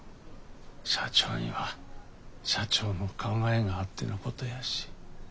社長には社長の考えがあってのことやし。